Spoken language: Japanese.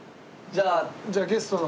じゃあゲストの。